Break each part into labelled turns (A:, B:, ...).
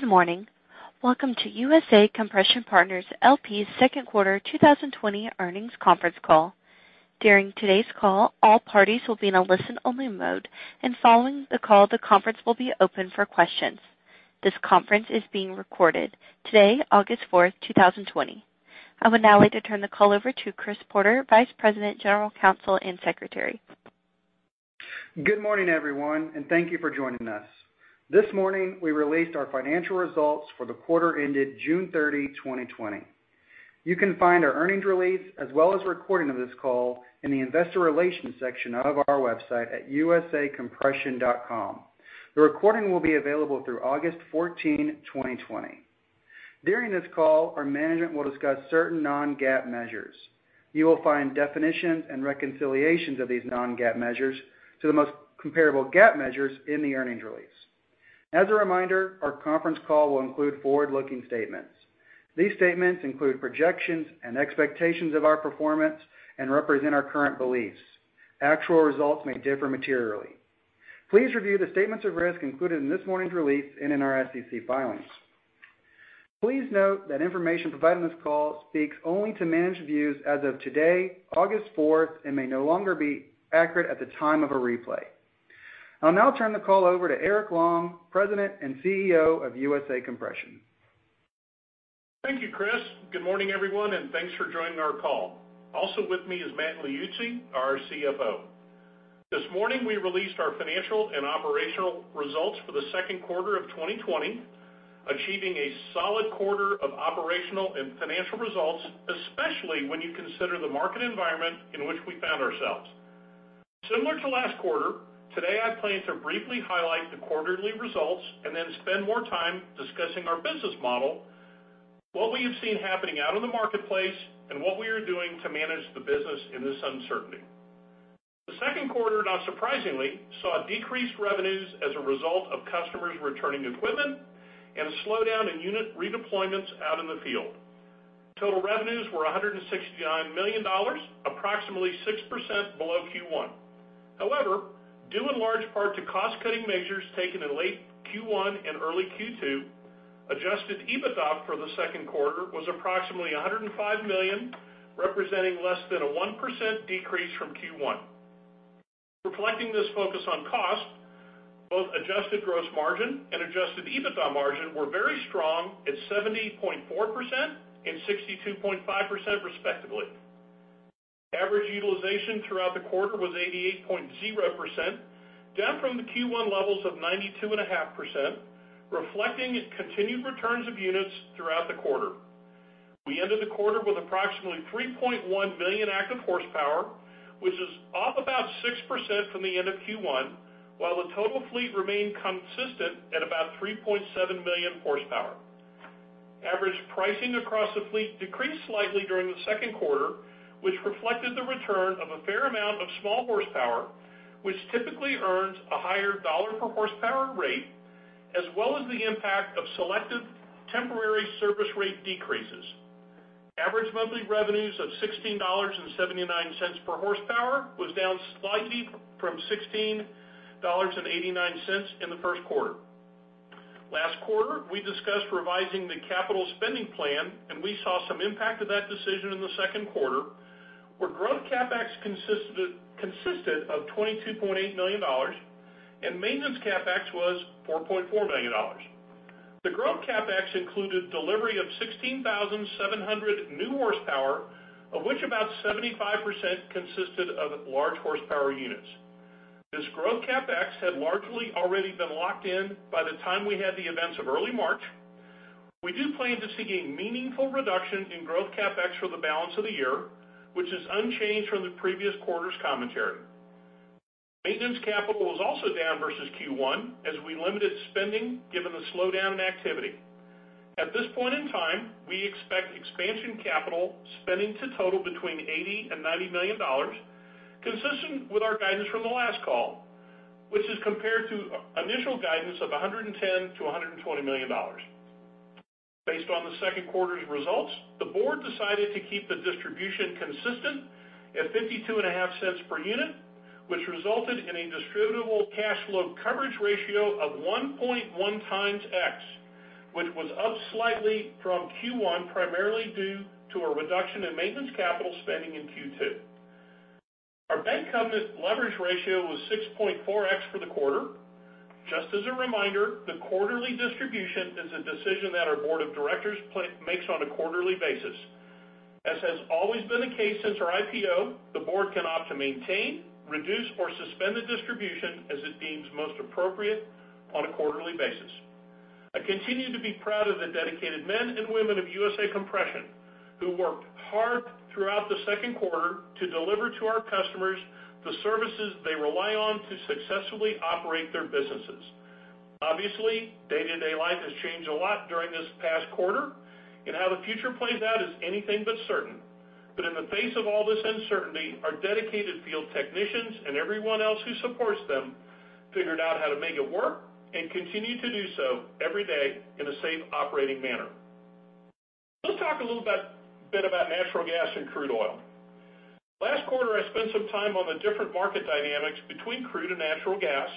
A: Good morning. Welcome to USA Compression Partners, LP second quarter 2020 earnings conference call. During today's call, all parties will be in a listen-only mode. Following the call, the conference will be open for questions. This conference is being recorded. Today, August 4, 2020. I would now like to turn the call over to Chris Porter, Vice President, General Counsel, and Secretary.
B: Good morning, everyone, and thank you for joining us. This morning, we released our financial results for the quarter ended June 30, 2020. You can find our earnings release, as well as a recording of this call, in the investor relations section of our website at usacompression.com. The recording will be available through August 14, 2020. During this call, our management will discuss certain non-GAAP measures. You will find definitions and reconciliations of these non-GAAP measures to the most comparable GAAP measures in the earnings release. As a reminder, our conference call will include forward-looking statements. These statements include projections and expectations of our performance and represent our current beliefs. Actual results may differ materially. Please review the statements of risk included in this morning's release and in our SEC filings. Please note that information provided in this call speaks only to managed views as of today, August 4th, and may no longer be accurate at the time of a replay. I'll now turn the call over to Eric Long, President and CEO of USA Compression.
C: Thank you, Chris. Good morning, everyone, and thanks for joining our call. Also with me is Matt Liuzzi, our CFO. This morning, we released our financial and operational results for the second quarter of 2020, achieving a solid quarter of operational and financial results, especially when you consider the market environment in which we found ourselves. Similar to last quarter, today I plan to briefly highlight the quarterly results and then spend more time discussing our business model, what we have seen happening out in the marketplace, and what we are doing to manage the business in this uncertainty. The second quarter, not surprisingly, saw decreased revenues as a result of customers returning equipment and a slowdown in unit redeployments out in the field. Total revenues were $169 million, approximately 6% below Q1. However, due in large part to cost-cutting measures taken in late Q1 and early Q2, adjusted EBITDA for the second quarter was approximately $105 million, representing less than a 1% decrease from Q1. Reflecting this focus on cost, both adjusted gross margin and adjusted EBITDA margin were very strong at 70.4% and 62.5%, respectively. Average utilization throughout the quarter was 88.0%, down from the Q1 levels of 92.5%, reflecting continued returns of units throughout the quarter. We ended the quarter with approximately 3.1 million active horsepower, which is off about 6% from the end of Q1, while the total fleet remained consistent at about 3.7 million horsepower. Average pricing across the fleet decreased slightly during the second quarter, which reflected the return of a fair amount of small horsepower, which typically earns a higher dollar-per-horsepower rate, as well as the impact of selective temporary service rate decreases. Average monthly revenues of $16.79 per horsepower was down slightly from $16.89 in the first quarter. Last quarter, we discussed revising the capital spending plan, and we saw some impact of that decision in the second quarter, where growth CapEx consisted of $22.8 million and maintenance CapEx was $4.4 million. The growth CapEx included delivery of 16,700 new horsepower, of which about 75% consisted of large horsepower units. This growth CapEx had largely already been locked in by the time we had the events of early March. We do plan to see a meaningful reduction in growth CapEx for the balance of the year, which is unchanged from the previous quarter's commentary. Maintenance capital was also down versus Q1 as we limited spending given the slowdown in activity. At this point in time, we expect expansion capital spending to total between $80 million and $90 million, consistent with our guidance from the last call, which is compared to initial guidance of $110 million-$120 million. Based on the second quarter's results, the board decided to keep the distribution consistent at $0.525 per unit, which resulted in a distributable cash flow coverage ratio of 1.1x, which was up slightly from Q1, primarily due to a reduction in maintenance capital spending in Q2. Our bank covenant leverage ratio was 6.4x for the quarter. Just as a reminder, the quarterly distribution is a decision that our Board of Directors makes on a quarterly basis. As has always been the case since our IPO, the board can opt to maintain, reduce, or suspend the distribution as it deems most appropriate on a quarterly basis. I continue to be proud of the dedicated men and women of USA Compression, who worked hard throughout the second quarter to deliver to our customers the services they rely on to successfully operate their businesses. Obviously, day-to-day life has changed a lot during this past quarter, and how the future plays out is anything but certain. In the face of all this uncertainty, our dedicated field technicians and everyone else who supports them figured out how to make it work and continue to do so every day in a safe operating manner. Let's talk a little bit about natural gas and crude oil. Last quarter, I spent some time on the different market dynamics between crude and natural gas,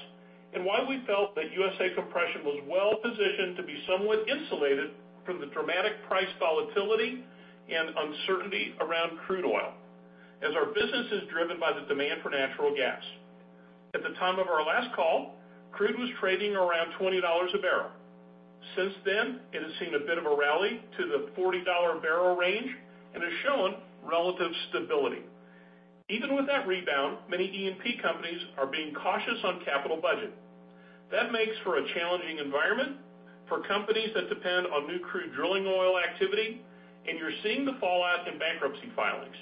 C: and why we felt that USA Compression was well-positioned to be somewhat insulated from the dramatic price volatility and uncertainty around crude oil, as our business is driven by the demand for natural gas. At the time of our last call, crude was trading around $20 a barrel. Since then, it has seen a bit of a rally to the $40 a barrel range and has shown relative stability. Even with that rebound, many E&P companies are being cautious on capital budget. That makes for a challenging environment for companies that depend on new crude drilling oil activity, and you're seeing the fallout in bankruptcy filings.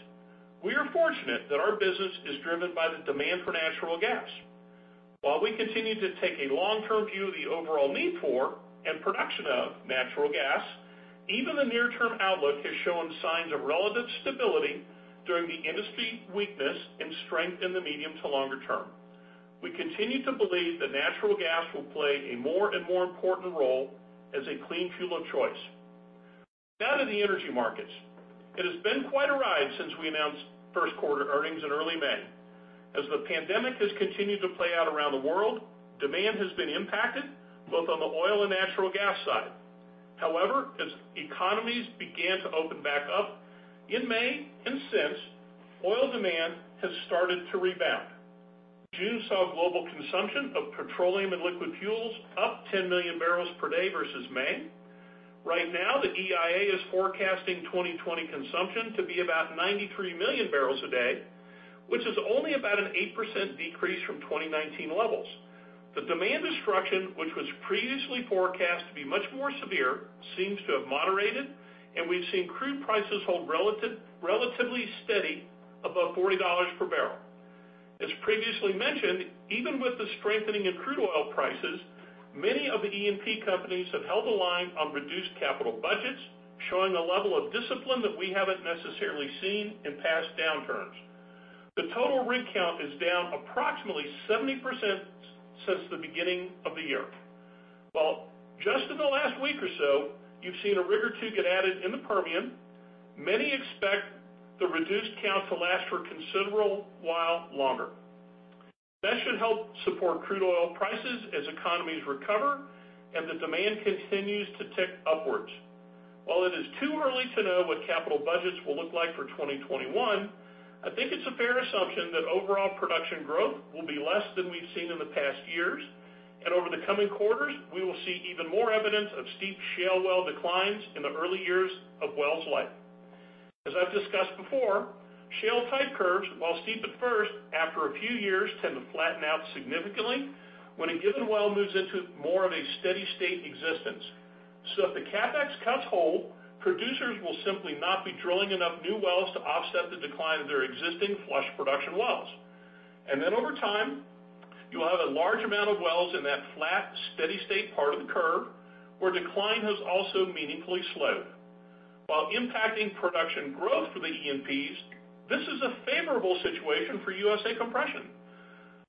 C: We are fortunate that our business is driven by the demand for natural gas. While we continue to take a long-term view of the overall need for and production of natural gas, even the near-term outlook has shown signs of relative stability during the industry weakness and strength in the medium to longer-term. We continue to believe that natural gas will play a more and more important role as a clean fuel of choice. Now to the energy markets. It has been quite a ride since we announced Q1 earnings in early May. As the pandemic has continued to play out around the world, demand has been impacted both on the oil and natural gas side. However, as economies began to open back up in May and since, oil demand has started to rebound. June saw global consumption of petroleum and liquid fuels up 10 MMbpd versus May. Right now, the EIA is forecasting 2020 consumption to be about 93 MMbpd, which is only about an 8% decrease from 2019 levels. The demand destruction, which was previously forecast to be much more severe, seems to have moderated, and we've seen crude prices hold relatively steady above $40 per barrel. As previously mentioned, even with the strengthening in crude oil prices, many of the E&P companies have held the line on reduced capital budgets, showing a level of discipline that we haven't necessarily seen in past downturns. The total rig count is down approximately 70% since the beginning of the year. While just in the last week or so, you've seen a rig or two get added in the Permian, many expect the reduced count to last for a considerable while longer. That should help support crude oil prices as economies recover and the demand continues to tick upwards. While it is too early to know what capital budgets will look like for 2021, I think it's a fair assumption that overall production growth will be less than we've seen in the past years. Over the coming quarters, we will see even more evidence of steep shale well declines in the early years of well's life. As I've discussed before, shale type curves, while steep at first, after a few years, tend to flatten out significantly when a given well moves into more of a steady state existence. If the CapEx cuts hold, producers will simply not be drilling enough new wells to offset the decline of their existing flush production wells. Over time, you'll have a large amount of wells in that flat, steady state part of the curve where decline has also meaningfully slowed. While impacting production growth for the E&Ps, this is a favorable situation for USA Compression.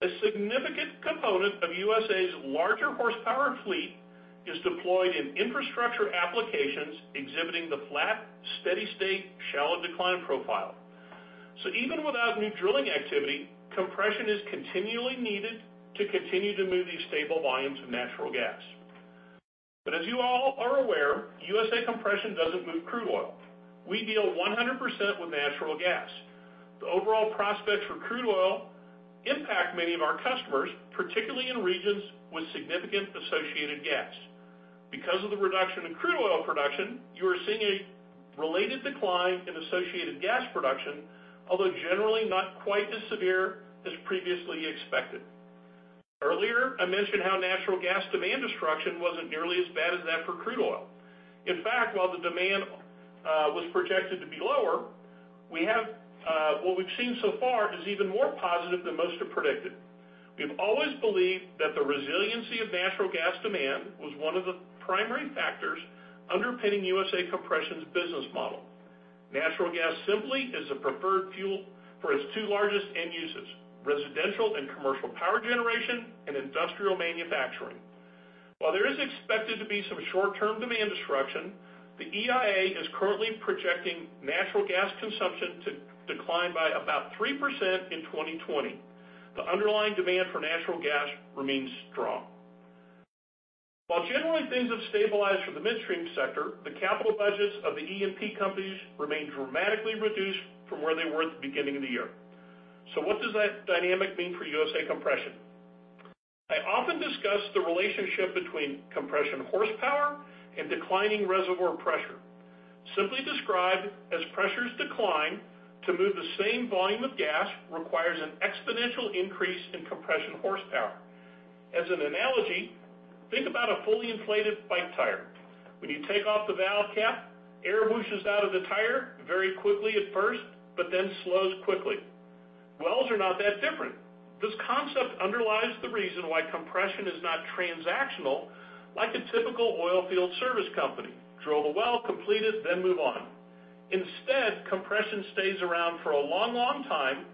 C: A significant component of USA's larger horsepower fleet is deployed in infrastructure applications exhibiting the flat, steady state shallow decline profile. Even without new drilling activity, compression is continually needed to continue to move these stable volumes of natural gas. As you all are aware, USA Compression doesn't move crude oil. We deal 100% with natural gas. The overall prospects for crude oil impact many of our customers, particularly in regions with significant associated gas. Because of the reduction in crude oil production, you are seeing a related decline in associated gas production, although generally not quite as severe as previously expected. Earlier, I mentioned how natural gas demand destruction wasn't nearly as bad as that for crude oil. In fact, while the demand was projected to be lower, what we've seen so far is even more positive than most have predicted. We've always believed that the resiliency of natural gas demand was one of the primary factors underpinning USA Compression's business model. Natural gas simply is the preferred fuel for its two largest end uses, residential and commercial power generation and industrial manufacturing. While there is expected to be some short-term demand destruction, the EIA is currently projecting natural gas consumption to decline by about 3% in 2020. The underlying demand for natural gas remains strong. While generally things have stabilized for the midstream sector, the capital budgets of the E&P companies remain dramatically reduced from where they were at the beginning of the year. What does that dynamic mean for USA Compression? I often discuss the relationship between compression horsepower and declining reservoir pressure. Simply described, as pressures decline, to move the same volume of gas requires an exponential increase in compression horsepower. As an analogy, think about a fully inflated bike tire. When you take off the valve cap, air whooshes out of the tire very quickly at first, but then slows quickly. Wells are not that different. This concept underlies the reason why compression is not transactional like a typical oil field service company. Drill the well, complete it, then move on. Instead, compression stays around for a long, long time.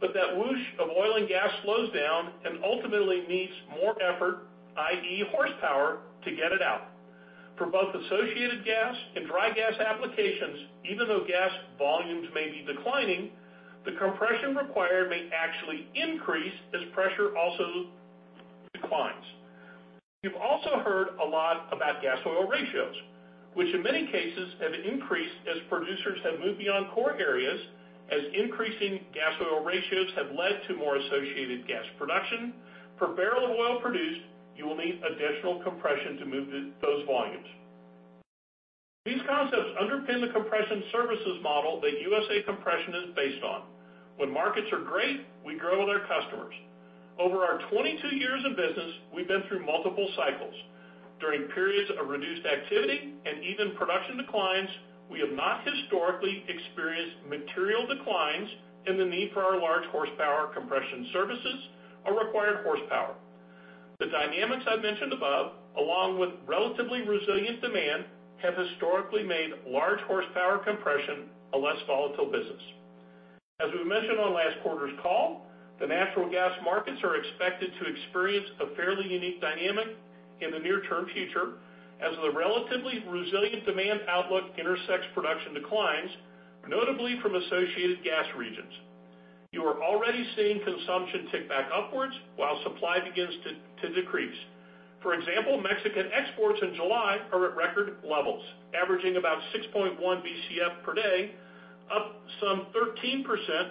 C: That whoosh of oil and gas slows down and ultimately needs more effort, i.e., horsepower, to get it out. For both associated gas and dry gas applications, even though gas volumes may be declining, the compression required may actually increase as pressure also declines. You've also heard a lot about gas-oil ratios, which in many cases have increased as producers have moved beyond core areas, as increasing gas-oil ratios have led to more associated gas production. Per barrel of oil produced, you will need additional compression to move those volumes. These concepts underpin the compression services model that USA Compression is based on. When markets are great, we grow with our customers. Over our 22 years in business, we've been through multiple cycles. During periods of reduced activity and even production declines, we have not historically experienced material declines in the need for our large horsepower compression services or required horsepower. The dynamics I've mentioned above, along with relatively resilient demand, have historically made large horsepower compression a less volatile business. As we mentioned on last quarter's call, the natural gas markets are expected to experience a fairly unique dynamic in the near term future, as the relatively resilient demand outlook intersects production declines, notably from associated gas regions. You are already seeing consumption tick back upwards while supply begins to decrease. For example, Mexican exports in July are at record levels, averaging about 6.1 Bcf per day, up some 13%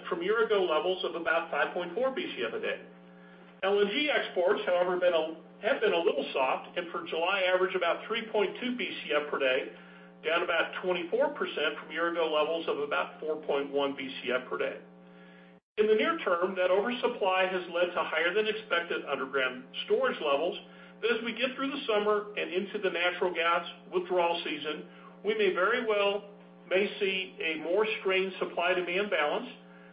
C: from year-ago levels of about 5.4 Bcf a day. LNG exports, however, have been a little soft and for July averaged about 3.2 Bcf per day, down about 24% from year-ago levels of about 4.1 Bcf per day. In the near-term, that oversupply has led to higher than expected underground storage levels. As we get through the summer and into the natural gas withdrawal season, we may very well see a more strained supply demand balance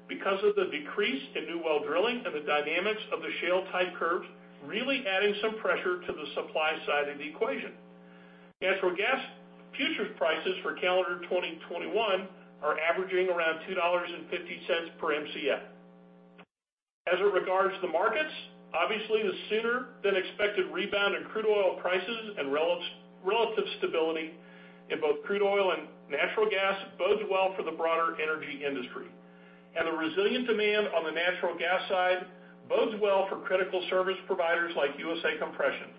C: because of the decrease in new well drilling and the dynamics of the shale type curves really adding some pressure to the supply side of the equation. Natural gas futures prices for calendar 2021 are averaging around $2.50 per Mcf. It regards the markets, obviously the sooner than expected rebound in crude oil prices and relative stability in both crude oil and natural gas bodes well for the broader energy industry. The resilient demand on the natural gas side bodes well for critical service providers like USA Compression.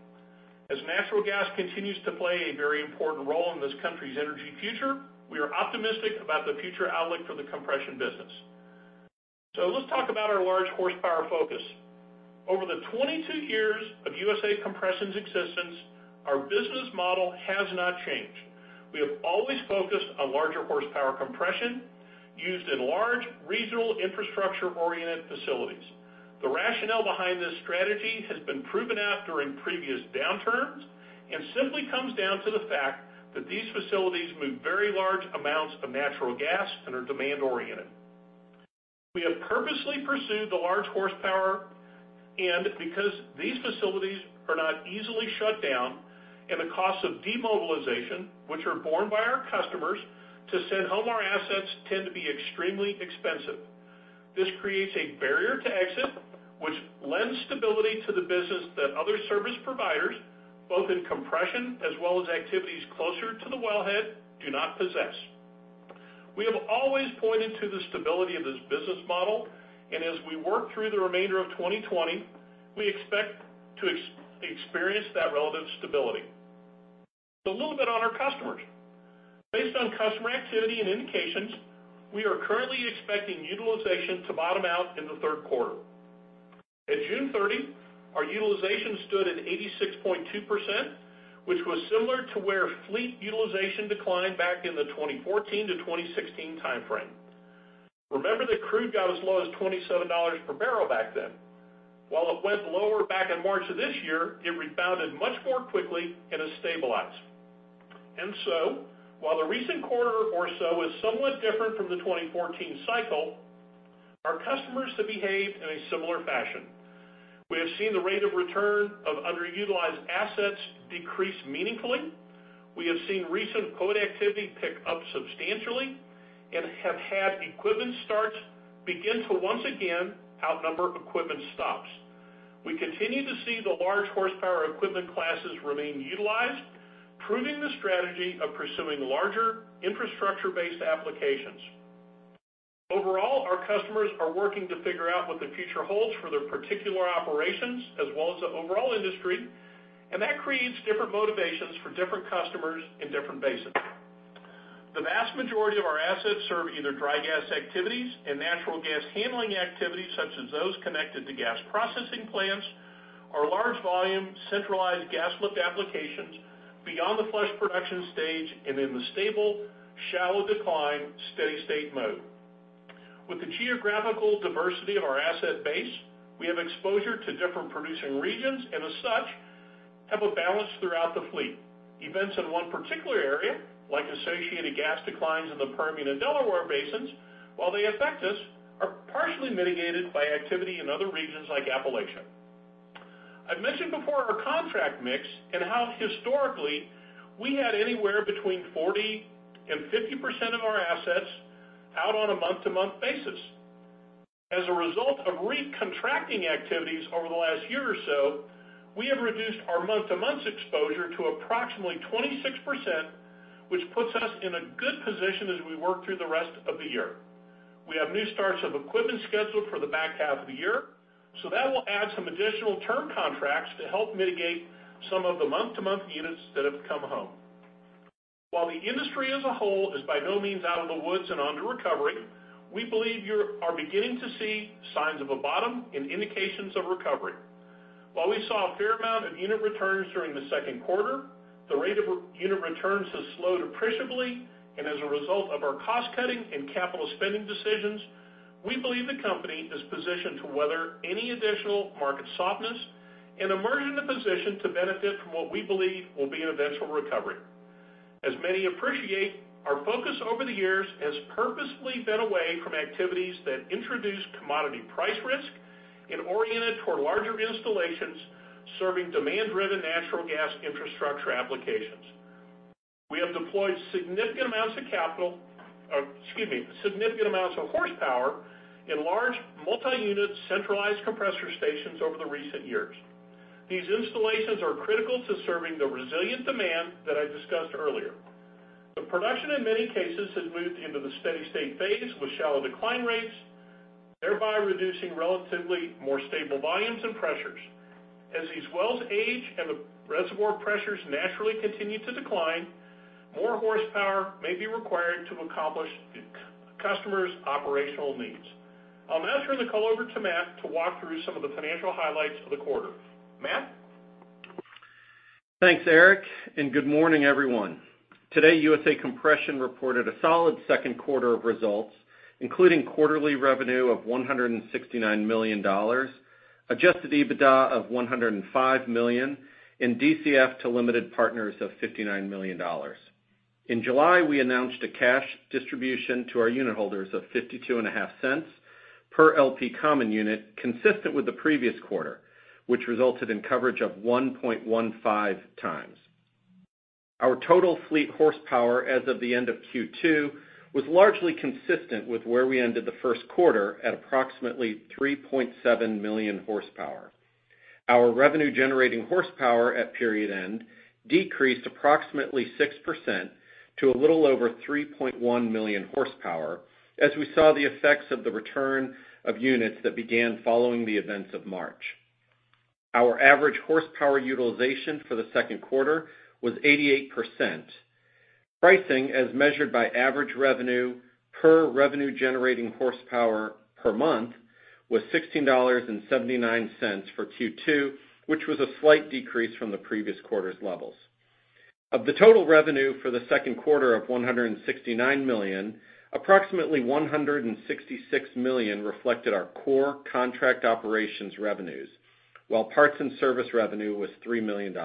C: Natural gas continues to play a very important role in this country's energy future, we are optimistic about the future outlook for the compression business. Let's talk about our large horsepower focus. Over the 22 years of USA Compression's existence, our business model has not changed. We have always focused on larger horsepower compression used in large regional infrastructure-oriented facilities. The rationale behind this strategy has been proven out during previous downturns and simply comes down to the fact that these facilities move very large amounts of natural gas and are demand oriented. We have purposely pursued the large horsepower, and because these facilities are not easily shut down and the cost of demobilization, which are borne by our customers to send home our assets, tend to be extremely expensive. This creates a barrier to exit which lends stability to the business that other service providers, both in compression as well as activities closer to the wellhead, do not possess. We have always pointed to the stability of this business model, and as we work through the remainder of 2020, we expect to experience that relative stability. A little bit on our customers. Based on customer activity and indications, we are currently expecting utilization to bottom out in the third quarter. At June 30, our utilization stood at 86.2%, which was similar to where fleet utilization declined back in the 2014-2016 timeframe. Remember that crude got as low as $27 per barrel back then. While it went lower back in March of this year, it rebounded much more quickly and has stabilized. While the recent quarter or so is somewhat different from the 2014 cycle, our customers have behaved in a similar fashion. We have seen the rate of return of underutilized assets decrease meaningfully. We have seen recent quote activity pick up substantially and have had equipment starts begin to once again outnumber equipment stops. We continue to see the large horsepower equipment classes remain utilized, proving the strategy of pursuing larger infrastructure-based applications. Overall, our customers are working to figure out what the future holds for their particular operations as well as the overall industry, and that creates different motivations for different customers in different basins. The vast majority of our assets serve either dry gas activities and natural gas handling activities, such as those connected to gas processing plants or large volume centralized gas lift applications beyond the flush production stage and in the stable, shallow decline, steady state mode. With the geographical diversity of our asset base, we have exposure to different producing regions and as such have a balance throughout the fleet. Events in one particular area, like associated gas declines in the Permian and Delaware basins, while they affect us, are partially mitigated by activity in other regions like Appalachia. I mentioned before our contract mix and how historically we had anywhere between 40% and 50% of our assets out on a month-to-month basis. As a result of recontracting activities over the last year or so, we have reduced our month-to-month exposure to approximately 26%, which puts us in a good position as we work through the rest of the year. We have new starts of equipment scheduled for the back half of the year, so that will add some additional term contracts to help mitigate some of the month-to-month units that have come home. While the industry as a whole is by no means out of the woods and onto recovery, we believe you are beginning to see signs of a bottom and indications of recovery. While we saw a fair amount of unit returns during the second quarter, the rate of unit returns has slowed appreciably. As a result of our cost-cutting and capital spending decisions, we believe the company is positioned to weather any additional market softness and emerge in a position to benefit from what we believe will be an eventual recovery. As many appreciate, our focus over the years has purposefully been away from activities that introduce commodity price risk and oriented toward larger installations serving demand-driven natural gas infrastructure applications. We have deployed significant amounts of horsepower in large multi-unit centralized compressor stations over the recent years. These installations are critical to serving the resilient demand that I discussed earlier. The production, in many cases, has moved into the steady state phase with shallow decline rates, thereby reducing relatively more stable volumes and pressures. As these wells age and the reservoir pressures naturally continue to decline, more horsepower may be required to accomplish customers' operational needs. I'll now turn the call over to Matt to walk through some of the financial highlights of the quarter. Matt?
D: Thanks, Eric. Good morning, everyone. Today, USA Compression reported a solid second quarter of results, including quarterly revenue of $169 million, adjusted EBITDA of $105 million, and DCF to limited partners of $59 million. In July, we announced a cash distribution to our unit holders of $0.525 per LP common unit, consistent with the previous quarter, which resulted in coverage of 1.15x. Our total fleet horsepower as of the end of Q2 was largely consistent with where we ended the first quarter at approximately 3.7 million horsepower. Our revenue-generating horsepower at period end decreased approximately 6% to a little over 3.1 million horsepower as we saw the effects of the return of units that began following the events of March. Our average horsepower utilization for the second quarter was 88%. Pricing, as measured by average revenue per revenue-generating horsepower per month, was $16.79 for Q2, which was a slight decrease from the previous quarter's levels. Of the total revenue for the second quarter of $169 million, approximately $166 million reflected our core contract operations revenues, while parts and service revenue was $3 million.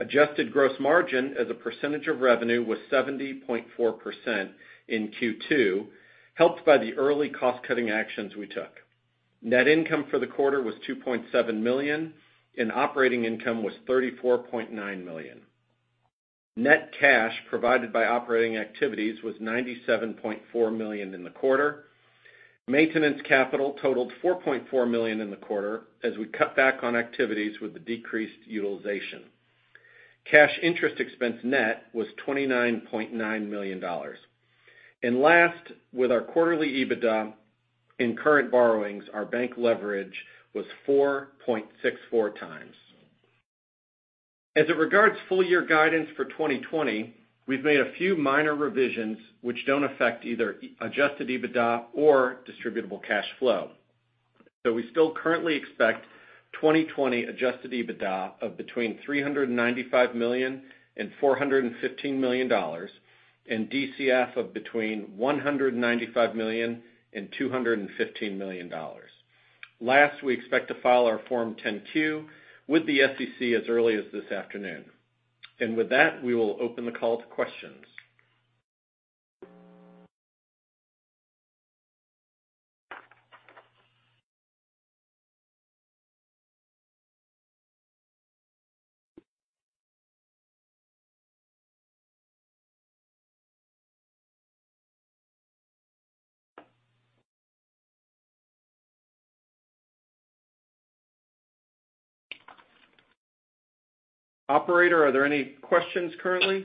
D: adjusted gross margin as a percentage of revenue was 70.4% in Q2, helped by the early cost-cutting actions we took. Net income for the quarter was $2.7 million, and operating income was $34.9 million. Net cash provided by operating activities was $97.4 million in the quarter. Maintenance capital totaled $4.4 million in the quarter as we cut back on activities with the decreased utilization. Cash interest expense net was $29.9 million. Last, with our quarterly EBITDA and current borrowings, our bank leverage was 4.64x. As it regards full-year guidance for 2020, we've made a few minor revisions which don't affect either adjusted EBITDA or distributable cash flow. We still currently expect 2020 adjusted EBITDA of between $395 million and $415 million and DCF of between $195 million and $215 million. Last, we expect to file our Form 10-Q with the SEC as early as this afternoon. With that, we will open the call to questions. Operator, are there any questions currently?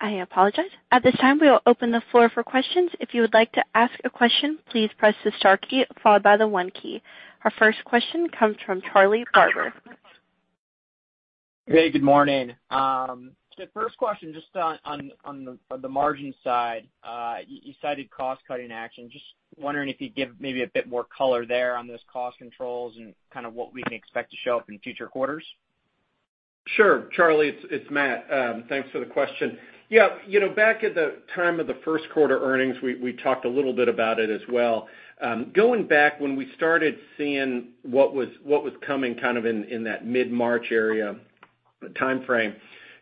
A: I apologize. At this time, we will open the floor for questions. If you would like to ask a question, please press the star key followed by the one key. Our first question comes from Charlie Barber.
E: Hey, good morning. First question, just on the margin side. You cited cost-cutting action. Just wondering if you'd give maybe a bit more color there on those cost controls and what we can expect to show up in future quarters.
D: Sure, Charlie, it's Matt. Thanks for the question. Yeah. Back at the time of the first quarter earnings, we talked a little bit about it as well. Going back when we started seeing what was coming in that mid-March area timeframe.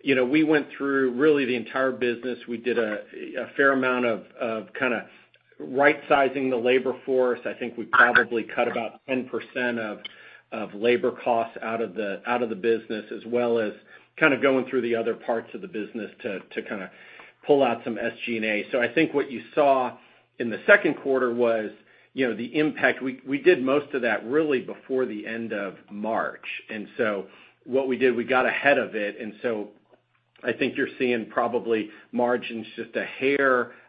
D: We went through really the entire business. We did a fair amount of right-sizing the labor force. I think we probably cut about 10% of labor costs out of the business as well as going through the other parts of the business to pull out some SG&A. I think what you saw in the second quarter was the impact. We did most of that really before the end of March. What we did, we got ahead of it. I think you're seeing probably margins just,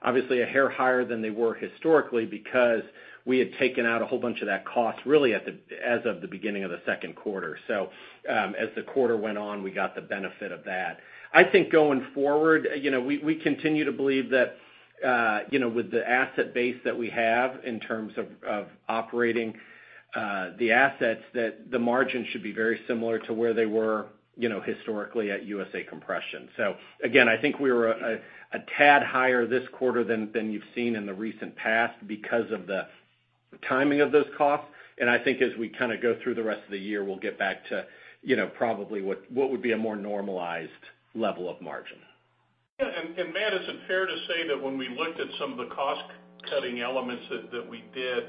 D: obviously, a hair higher than they were historically because we had taken out a whole bunch of that cost really as of the beginning of the second quarter. As the quarter went on, we got the benefit of that. I think going forward, we continue to believe that with the asset base that we have in terms of operating the assets, that the margins should be very similar to where they were historically at USA Compression. Again, I think we were a tad higher this quarter than you've seen in the recent past because of the timing of those costs. I think as we go through the rest of the year, we'll get back to probably what would be a more normalized level of margin.
C: Yeah. Matt, is it fair to say that when we looked at some of the cost-cutting elements that we did,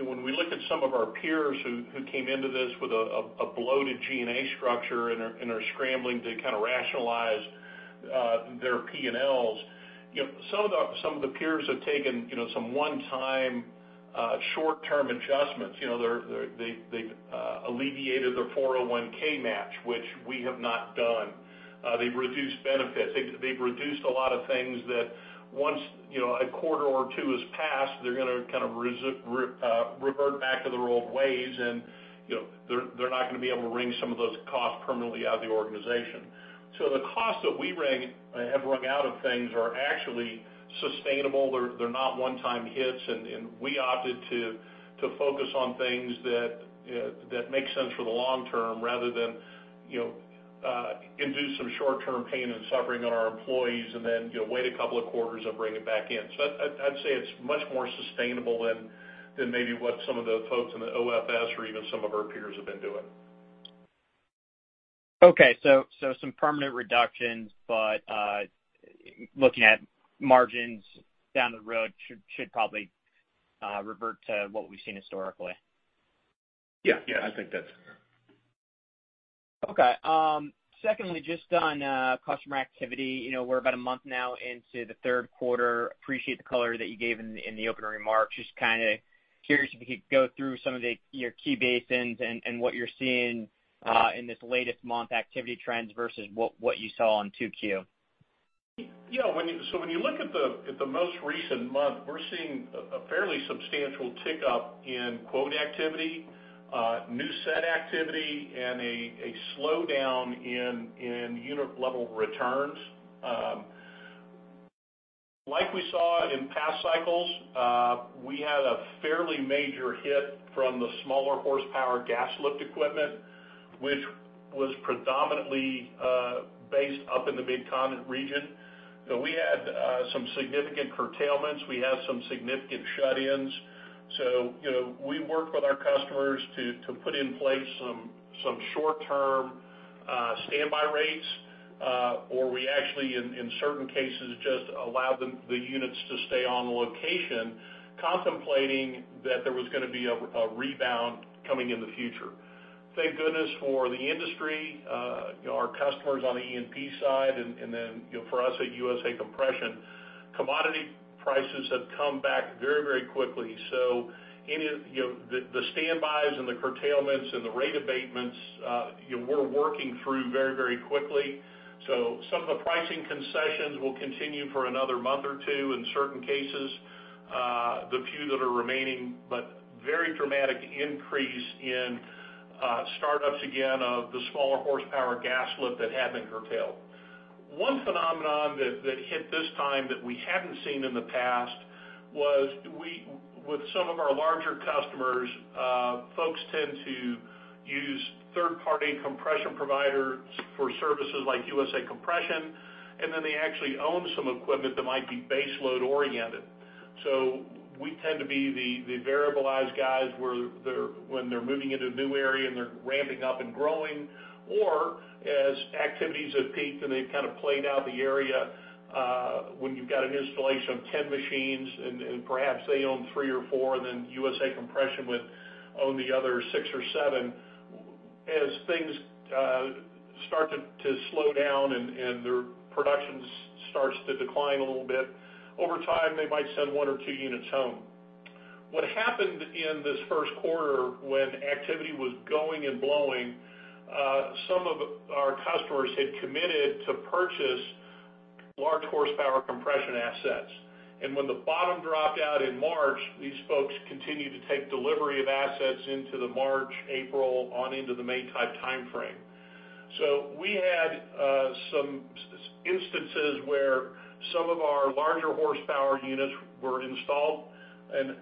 C: when we look at some of our peers who came into this with a bloated G&A structure and are scrambling to rationalize their P&L. Some of the peers have taken some one-time short-term adjustments. They've alleviated their 401 match, which we have not done. They've reduced benefits. They've reduced a lot of things that once a quarter or two has passed, they're going to revert back to their old ways and they're not going to be able to wring some of those costs permanently out of the organization. The costs that we have wrung out of things are actually sustainable. They're not one-time hits, and we opted to focus on things that make sense for the long-term rather than induce some short-term pain and suffering on our employees and then wait a couple of quarters and bring it back in. I'd say it's much more sustainable than maybe what some of the folks in the OFS or even some of our peers have been doing.
E: Okay. Some permanent reductions, but looking at margins down the road should probably revert to what we've seen historically.
C: Yeah.
D: Yes.
C: I think that's fair.
E: Okay. Secondly, just on customer activity. We're about a month now into the third quarter. Appreciate the color that you gave in the opening remarks. Just kind of curious if you could go through some of your key basins and what you're seeing in this latest month activity trends versus what you saw on 2Q.
C: Yeah. When you look at the most recent month, we're seeing a fairly substantial tick up in quote activity, new set activity, and a slowdown in unit level returns. Like we saw in past cycles, we had a fairly major hit from the smaller horsepower gas lift equipment, which was predominantly based up in the Midcontinent region. We had some significant curtailments. We had some significant shut-ins. We worked with our customers to put in place some short-term standby rates, or we actually, in certain cases, just allowed the units to stay on location, contemplating that there was going to be a rebound coming in the future. Thank goodness for the industry, our customers on the E&P side, and then for us at USA Compression, commodity prices have come back very quickly. The standbys and the curtailments and the rate abatements, we're working through very quickly. Some of the pricing concessions will continue for another month or two in certain cases, the few that are remaining, very dramatic increase in startups again of the smaller horsepower gas lift that had been curtailed. One phenomenon that hit this time that we haven't seen in the past was with some of our larger customers, folks tend to use third-party compression providers for services like USA Compression, and then they actually own some equipment that might be base load oriented. We tend to be the variabilized guys when they're moving into a new area and they're ramping up and growing, or as activities have peaked and they've kind of played out the area, when you've got an installation of 10 machines and perhaps they own three or four, and then USA Compression would own the other six or seven. As things start to slow down and their production starts to decline a little bit, over time, they might send one or two units home. What happened in this first quarter when activity was going and blowing, some of our customers had committed to purchase large horsepower compression assets. When the bottom dropped out in March, these folks continued to take delivery of assets into the March, April, on into the May timeframe. We had some instances where some of our larger horsepower units were installed and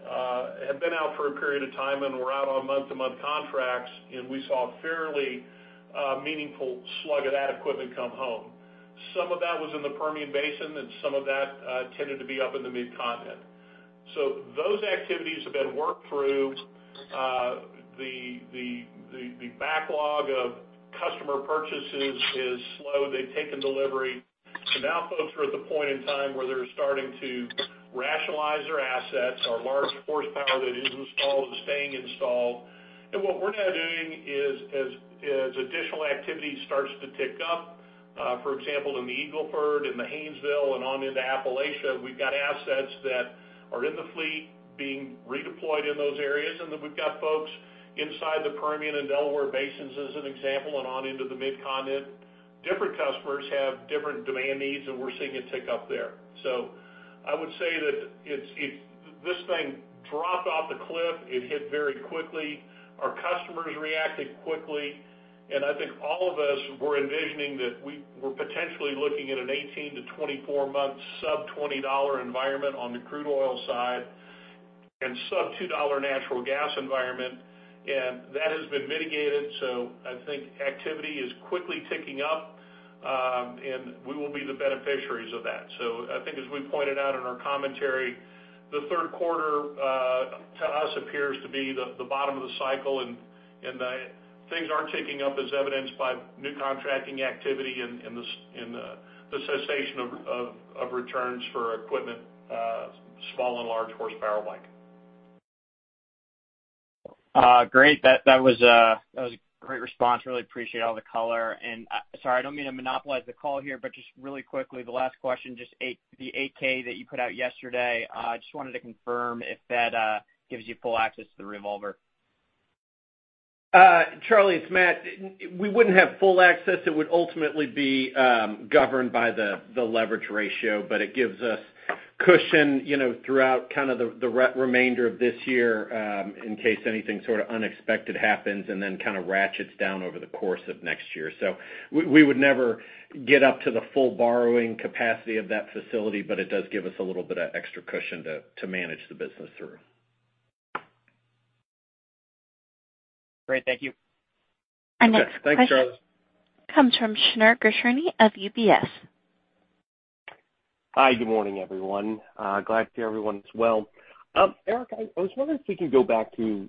C: had been out for a period of time and were out on month-to-month contracts, and we saw a fairly meaningful slug of that equipment come home. Some of that was in the Permian Basin, and some of that tended to be up in the Midcontinent. Those activities have been worked through. The backlog of customer purchases is slow. They've taken delivery. Now folks are at the point in time where they're starting to rationalize their assets. Our large horsepower that is installed is staying installed. What we're now doing is as additional activity starts to tick up, for example, in the Eagle Ford, in the Haynesville and on into Appalachia, we've got assets that are in the fleet being redeployed in those areas. Then we've got folks inside the Permian and Delaware basins, as an example, and on into the Mid-Continent. Different customers have different demand needs, and we're seeing a tick up there. I would say that this thing dropped off a cliff. It hit very quickly. Our customers reacted quickly, and I think all of us were envisioning that we were potentially looking at an 18-24 month sub-$20 environment on the crude oil side and sub $2 natural gas environment. That has been mitigated. I think activity is quickly ticking up, and we will be the beneficiaries of that. I think as we pointed out in our commentary, the third quarter to us appears to be the bottom of the cycle, and things are ticking up as evidenced by new contracting activity and the cessation of returns for equipment, small and large horsepower alike.
E: Great. That was a great response. Really appreciate all the color. Sorry, I don't mean to monopolize the call here, but just really quickly, the last question, just the 8-K that you put out yesterday, just wanted to confirm if that gives you full access to the revolver.
D: Charlie, it's Matt. We wouldn't have full access. It would ultimately be governed by the leverage ratio, but it gives us cushion throughout the remainder of this year in case anything unexpected happens and then ratchets down over the course of next year. We would never get up to the full borrowing capacity of that facility, but it does give us a little bit of extra cushion to manage the business through.
E: Great. Thank you.
C: Okay. Thanks, Charlie.
A: Our next question comes from Shneur Gershuni of UBS.
F: Hi, good morning, everyone. Glad to see everyone's well. Eric, I was wondering if we can go back to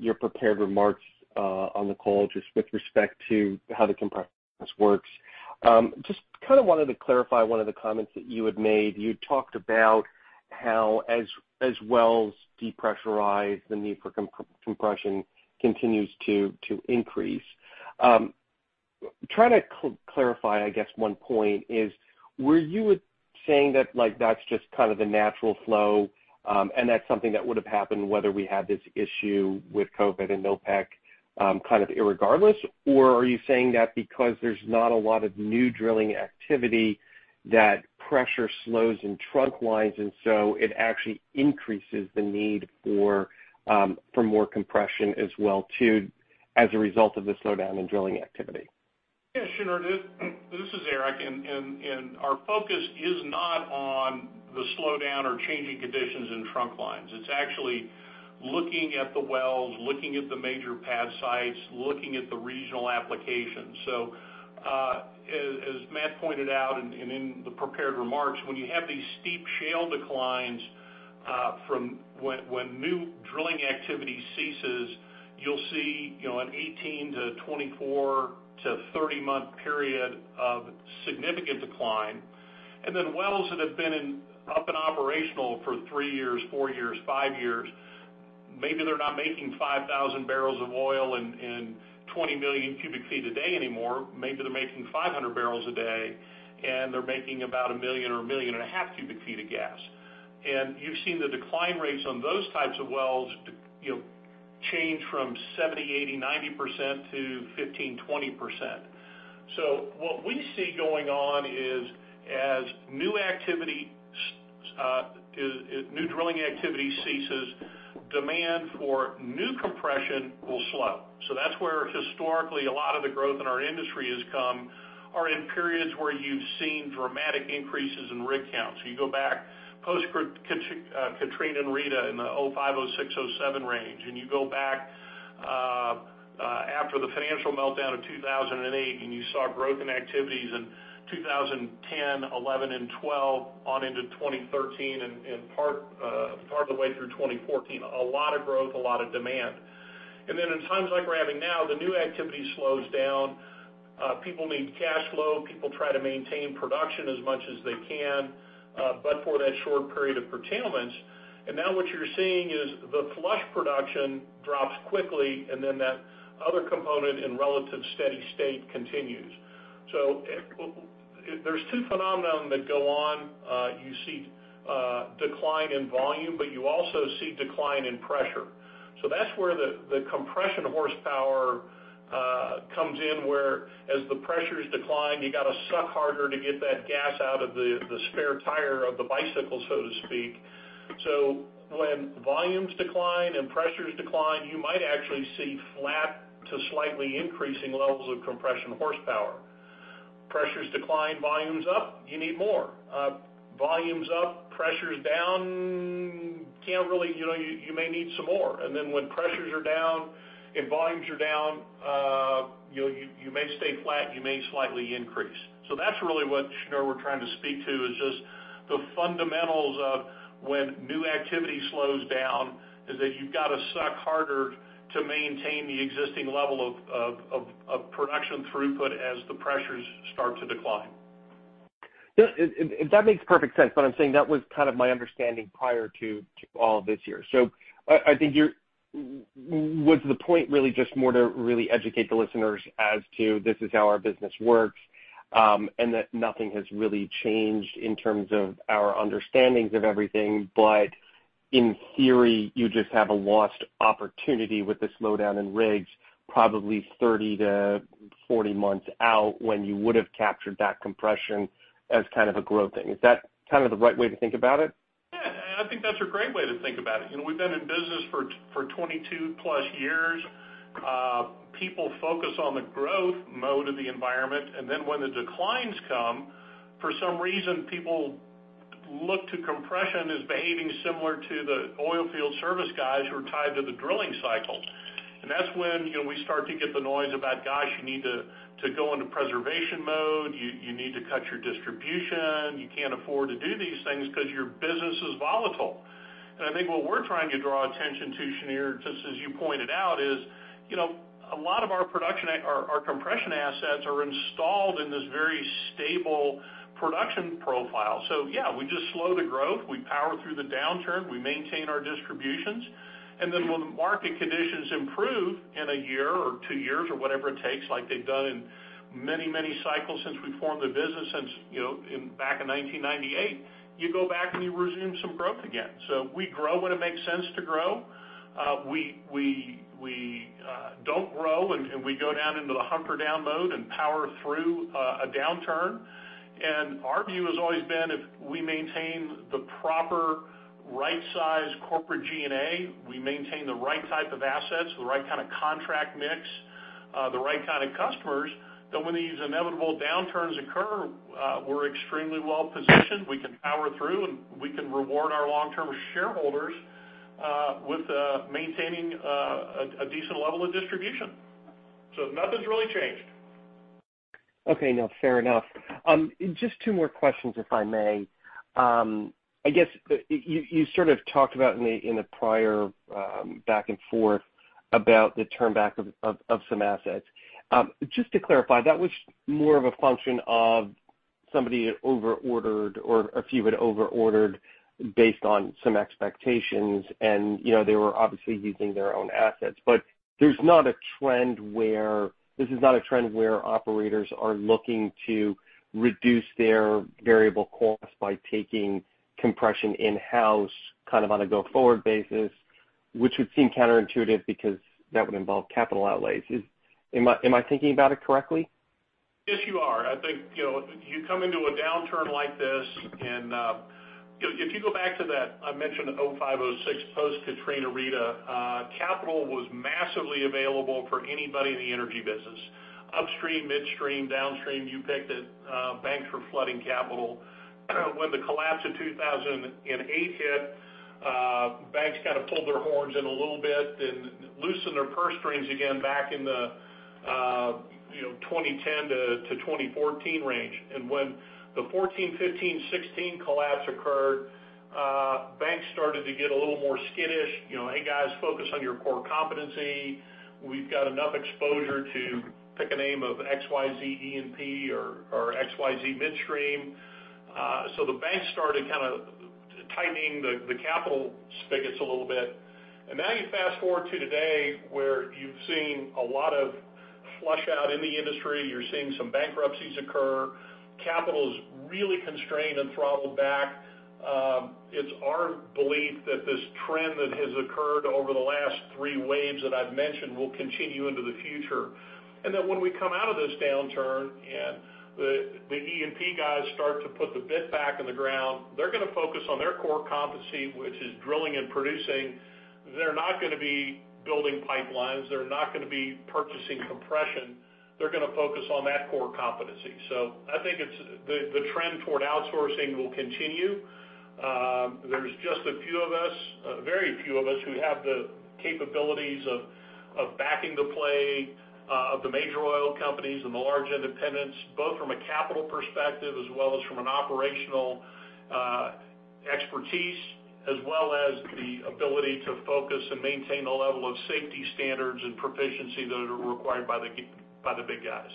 F: your prepared remarks on the call, just with respect to how the compressor works. Just kind of wanted to clarify one of the comments that you had made. You talked about how as wells depressurize, the need for compression continues to increase. Trying to clarify, I guess one point is, were you saying that that's just kind of the natural flow, and that's something that would have happened whether we had this issue with COVID and OPEC kind of irregardless, or are you saying that because there's not a lot of new drilling activity, that pressure slows in trunk lines, it actually increases the need for more compression as well too, as a result of the slowdown in drilling activity?
C: Shneur, this is Eric, our focus is not on the slowdown or changing conditions in trunk lines. It's actually looking at the wells, looking at the major pad sites, looking at the regional applications. As Matt pointed out and in the prepared remarks, when you have these steep shale declines, from when new drilling activity ceases, you'll see an 18 to 24 to 30-month period of significant decline. Wells that have been up and operational for three years, four years, five years, maybe they're not making 5,000 bbl of oil and 20 million cubic feet a day anymore. Maybe they're making 500 bbl a day, they're making about a 1 Mcf or 1.5 Mcf Of gas. You've seen the decline rates on those types of wells change from 70%, 80%, 90% to 15%, 20%. What we see going on is as new drilling activity ceases, demand for new compression will slow. So that's where historically a lot of the growth in our industry has come, are in periods where you've seen dramatic increases in rig counts. You go back post-Katrina and Rita in the 2005, 2006, 2007 range, and you go back after the financial meltdown of 2008, and you saw growth in activities in 2010, 2011 and 2012 on into 2013 and part of the way through 2014. A lot of growth, a lot of demand. In times like we're having now, the new activity slows down. People need cash flow. People try to maintain production as much as they can, but for that short period of curtailment. Now what you're seeing is the flush production drops quickly, and then that other component in relative steady state continues. There's two phenomenon that go on. You see decline in volume, but you also see decline in pressure. That's where the compression horsepower comes in, where as the pressures decline, you got to suck harder to get that gas out of the spare tire of the bicycle, so to speak. When volumes decline and pressures decline, you might actually see flat to slightly increasing levels of compression horsepower. Pressures decline, volumes up, you need more. Volumes up, pressures down, you may need some more. When pressures are down and volumes are down. You may stay flat, you may slightly increase. That's really what, Shneur, we're trying to speak to, is just the fundamentals of when new activity slows down, is that you've got to suck harder to maintain the existing level of production throughput as the pressures start to decline.
F: That makes perfect sense. I'm saying that was kind of my understanding prior to all of this year. I think was the point really just more to really educate the listeners as to this is how our business works, and that nothing has really changed in terms of our understandings of everything. In theory, you just have a lost opportunity with the slowdown in rigs, probably 30-40 months out when you would have captured that compression as kind of a growth thing. Is that kind of the right way to think about it?
C: Yeah, I think that's a great way to think about it. We've been in business for 22+ years. People focus on the growth mode of the environment, and then when the declines come, for some reason, people look to compression as behaving similar to the oil field service guys who are tied to the drilling cycle. That's when we start to get the noise about, gosh, you need to go into preservation mode. You need to cut your distribution. You can't afford to do these things because your business is volatile. I think what we're trying to draw attention to, Shneur, just as you pointed out, is a lot of our compression assets are installed in this very stable production profile. Yeah, we just slow the growth. We power through the downturn. We maintain our distributions. When the market conditions improve in a year or two years or whatever it takes, like they've done in many cycles since we formed the business back in 1998, you go back and you resume some growth again. We grow when it makes sense to grow. We don't grow, and we go down into the hunker down mode and power through a downturn. Our view has always been, if we maintain the proper right size corporate G&A, we maintain the right type of assets, the right kind of contract mix, the right kind of customers, then when these inevitable downturns occur, we're extremely well-positioned. We can power through, and we can reward our long-term shareholders with maintaining a decent level of distribution. Nothing's really changed.
F: Okay. No, fair enough. Just two more questions, if I may. I guess, you sort of talked about in a prior back and forth about the turn back of some assets. Just to clarify, that was more of a function of somebody over-ordered, or a few had over-ordered based on some expectations and they were obviously using their own assets. This is not a trend where operators are looking to reduce their variable costs by taking compression in-house, kind of on a go-forward basis, which would seem counterintuitive because that would involve capital outlays. Am I thinking about it correctly?
C: Yes, you are. I think you come into a downturn like this and if you go back to that, I mentioned 2005, 2006, post-Katrina, Rita, capital was massively available for anybody in the energy business. Upstream, midstream, downstream, you picked it. Banks were flooding capital. When the collapse of 2008 hit, banks kind of pulled their horns in a little bit and loosened their purse strings again back in the 2010 to 2014 range. When the 2014, 2015, 2016 collapse occurred, banks started to get a little more skittish. Hey, guys, focus on your core competency. We've got enough exposure to, pick a name of XYZ E&P or XYZ midstream. The banks started kind of tightening the capital spigots a little bit. Now you fast-forward to today, where you've seen a lot of flush out in the industry. You're seeing some bankruptcies occur. Capital is really constrained and throttled back. It's our belief that this trend that has occurred over the last three waves that I've mentioned will continue into the future. That when we come out of this downturn and the E&P guys start to put the bit back in the ground, they're going to focus on their core competency, which is drilling and producing. They're not going to be building pipelines. They're not going to be purchasing compression. They're going to focus on that core competency. I think the trend toward outsourcing will continue. There's just a few of us, very few of us, who have the capabilities of backing the play of the major oil companies and the large independents, both from a capital perspective as well as from an operational expertise, as well as the ability to focus and maintain the level of safety standards and proficiency that are required by the big guys.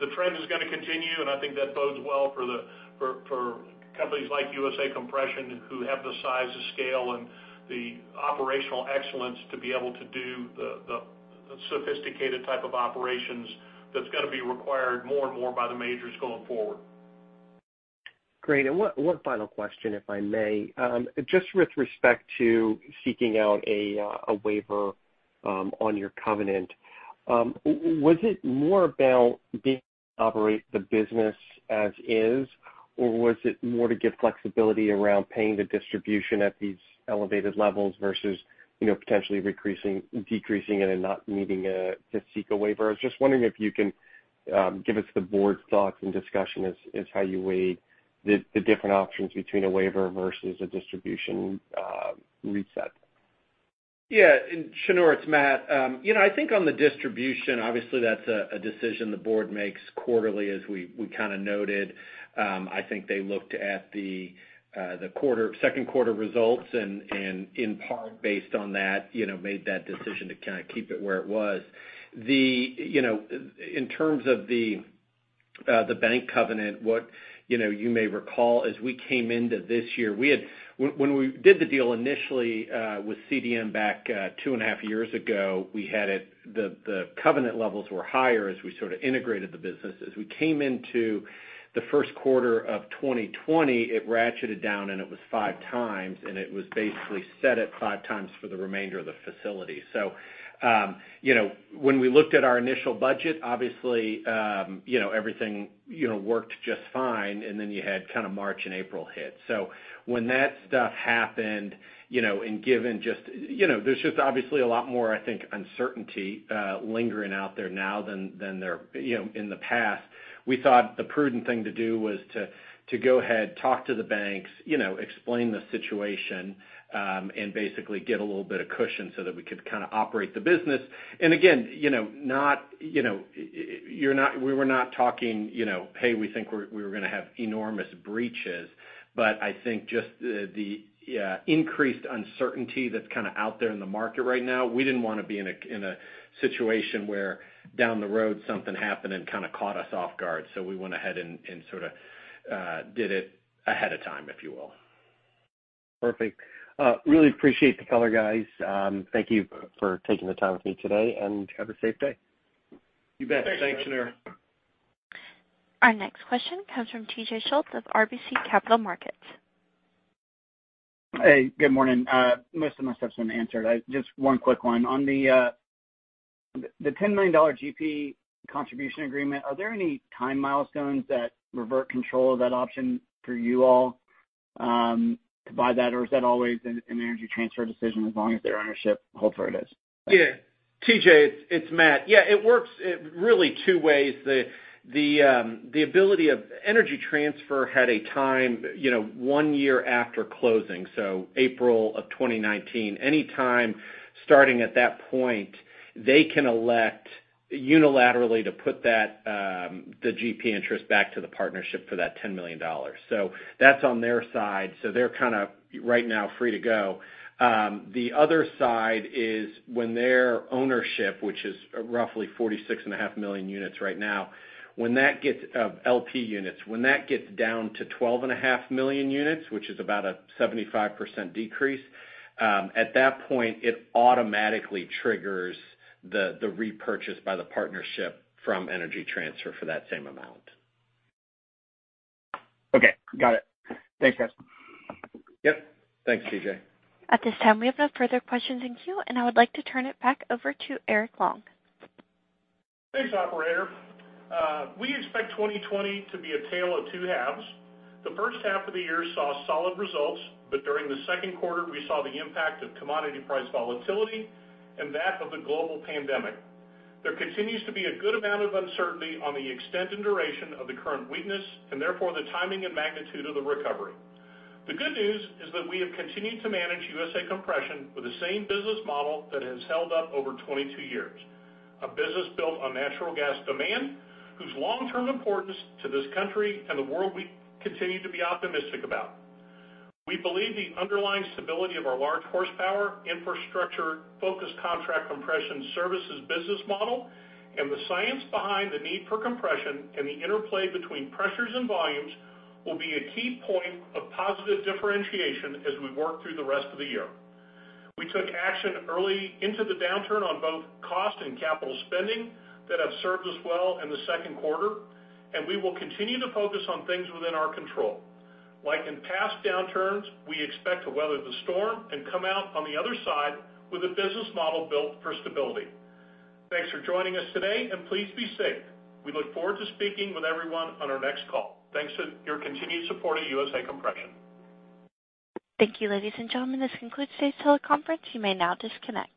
C: The trend is going to continue, and I think that bodes well for companies like USA Compression who have the size, the scale, and the operational excellence to be able to do the sophisticated type of operations that's got to be required more and more by the majors going forward.
F: Great. One final question, if I may. Just with respect to seeking out a waiver on your covenant. Was it more about being operate the business as is, or was it more to give flexibility around paying the distribution at these elevated levels versus potentially decreasing it and not needing to seek a waiver? I was just wondering if you can give us the board's thoughts and discussion as how you weigh the different options between a waiver versus a distribution reset.
D: Yeah. Shneur, it's Matt. I think on the distribution, obviously, that's a decision the board makes quarterly, as we kind of noted. I think they looked at the second quarter results and, in part based on that, made that decision to kind of keep it where it was. In terms of the bank covenant, what you may recall, as we came into this year, when we did the deal initially with CDM back two and a half years ago, the covenant levels were higher as we sort of integrated the businesses. We came into the first quarter of 2020, it ratcheted down, and it was 5x, and it was basically set at 5x for the remainder of the facility. When we looked at our initial budget, obviously, everything worked just fine, and then you had kind of March and April hit. When that stuff happened, there's just obviously a lot more, I think, uncertainty lingering out there now than there in the past. We thought the prudent thing to do was to go ahead, talk to the banks, explain the situation, and basically get a little bit of cushion so that we could kind of operate the business. Again, we were not talking, Hey, we think we're going to have enormous breaches, but I think just the increased uncertainty that's kind of out there in the market right now, we didn't want to be in a situation where down the road something happened and kind of caught us off guard. We went ahead and sort of did it ahead of time, if you will.
F: Perfect. Really appreciate the color, guys. Thank you for taking the time with me today, and have a safe day.
D: You bet. Thanks, Shneur.
A: Our next question comes from T.J. Schultz of RBC Capital Markets.
G: Hey, good morning. Most of my stuff's been answered. Just one quick one. On the $10 million GP contribution agreement, are there any time milestones that revert control of that option for you all to buy that? Is that always an Energy Transfer decision as long as their ownership hold for it is?
D: T.J., it's Matt. It works really two ways. Energy Transfer had a time one year after closing, so April of 2019. Any time starting at that point, they can elect unilaterally to put the GP interest back to the partnership for that $10 million. That's on their side, so they're kind of right now free to go. The other side is when their ownership, which is roughly 46.5 million units right now, LP units, when that gets down to 12.5 million units, which is about a 75% decrease, at that point, it automatically triggers the repurchase by the partnership from Energy Transfer for that same amount.
G: Okay, got it. Thanks, guys.
D: Yep. Thanks, T.J.
A: At this time, we have no further questions in queue, and I would like to turn it back over to Eric Long.
C: Thanks, operator. We expect 2020 to be a tale of two halves. The first half of the year saw solid results, but during the second quarter, we saw the impact of commodity price volatility and that of the global pandemic. There continues to be a good amount of uncertainty on the extent and duration of the current weakness, and therefore the timing and magnitude of the recovery. The good news is that we have continued to manage USA Compression with the same business model that has held up over 22 years. A business built on natural gas demand, whose long-term importance to this country and the world we continue to be optimistic about. We believe the underlying stability of our large horsepower, infrastructure-focused contract compression services business model and the science behind the need for compression and the interplay between pressures and volumes will be a key point of positive differentiation as we work through the rest of the year. We took action early into the downturn on both cost and capital spending that have served us well in the second quarter, and we will continue to focus on things within our control. Like in past downturns, we expect to weather the storm and come out on the other side with a business model built for stability. Thanks for joining us today, and please be safe. We look forward to speaking with everyone on our next call. Thanks for your continued support of USA Compression.
A: Thank you, ladies and gentlemen. This concludes today's teleconference. You may now disconnect.